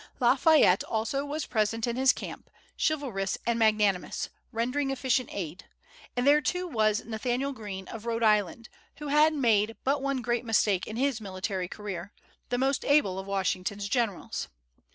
La Fayette also was present in his camp, chivalrous and magnanimous, rendering efficient aid; and there too was Nathaniel Greene of Rhode Island, who had made but one great mistake in his military career, the most able of Washington's generals.